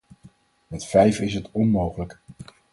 Met vijf is het onmogelijk.